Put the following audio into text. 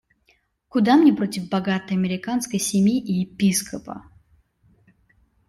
Куда мне против богатой американской семьи и епископа.